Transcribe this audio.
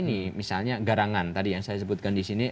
ini misalnya garangan tadi yang saya sebutkan di sini